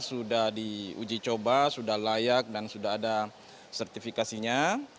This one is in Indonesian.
sudah diuji coba sudah layak dan sudah ada sertifikasinya